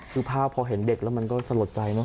คือภาพพอเห็นเด็กแล้วมันก็สะลดใจเนอ